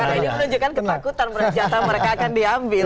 karena menunjukkan ketakutan jatah mereka akan diambil